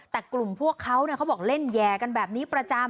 แต่กลุ่มพวกเขาเขาบอกเล่นแย่กันแบบนี้ประจำ